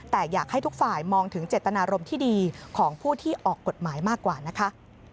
แต่อยากให้ทุกฝ่ายมองถึงเจตนารมณ์ที่ดีของผู้ที่ออกกฎหมายมากกว่านะคะ